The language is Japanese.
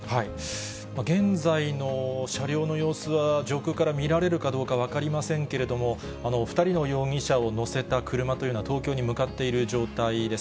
現在の車両の様子は上空から見られるかどうか分かりませんけれども、２人の容疑者を乗せた車というのは東京に向かっている状態です。